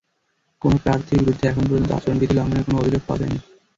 কোনো প্রার্থীর বিরুদ্ধে এখন পর্যন্ত আচরণবিধি লঙ্ঘনের কোনো অভিযোগ পাওয়া যায়নি।